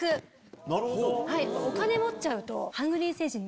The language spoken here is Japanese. お金持っちゃうと。